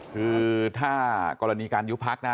คือถ้ากรณีการยุบพักนะ